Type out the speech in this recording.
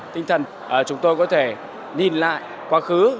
tinh thần chúng tôi có thể nhìn lại quá khứ